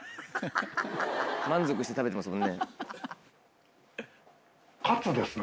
満足して食べてますもんね。